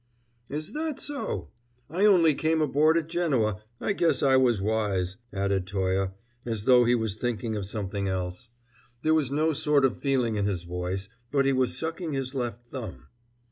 "Is that so? I only came aboard at Genoa. I guess I was wise," added Toye, as though he was thinking of something else. There was no sort of feeling in his voice, but he was sucking his left thumb.